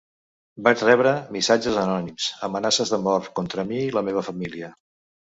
Vaig rebre missatges anònims, amenaces de mort, contra mi i la meva família.